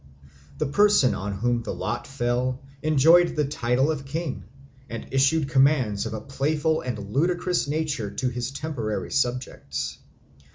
The person on whom the lot fell enjoyed the title of king, and issued commands of a playful and ludicrous nature to his temporary subjects.